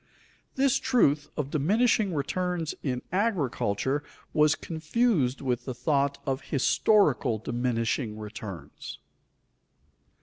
_This truth of diminishing returns in agriculture was confused with the thought of historical diminishing returns.